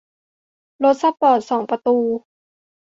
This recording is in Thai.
รถสปอร์ตสองประตู